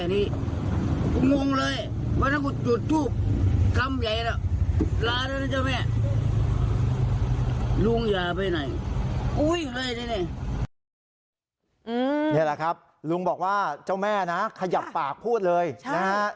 นี่แหละครับลุงบอกว่าเจ้าแม่นะขยับปากพูดเลยนะฮะ